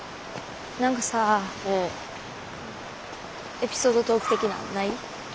エピソードトーク的なんない？